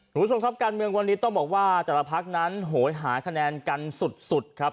คุณผู้ชมครับการเมืองวันนี้ต้องบอกว่าแต่ละพักนั้นโหยหาคะแนนกันสุดครับ